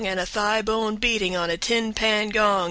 # And a thigh bone beating on a tin pan gong.